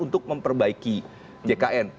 untuk memperbaiki jkn